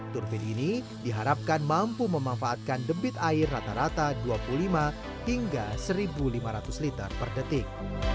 turbin ini diharapkan mampu memanfaatkan debit air rata rata dua puluh lima hingga satu lima ratus liter per detik